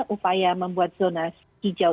upaya membuat zona hijau